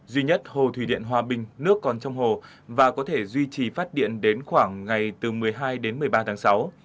duy nhất hồ thủy điện hòa bình nước còn trong hồ và có thể duy trì phát điện đến khoảng ngày từ một mươi hai đến một mươi ba tháng sáu